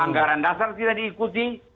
anggaran dasar tidak diikuti